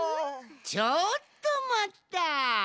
ちょっとまった！